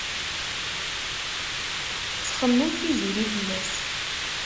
Txemmem Tiziri fell-as.